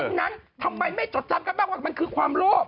นั้นทำไมไม่จดจำกันบ้างว่ามันคือความโลภ